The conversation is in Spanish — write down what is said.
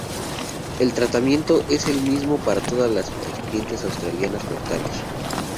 El tratamiento es el mismo para todas las serpientes australianas mortales.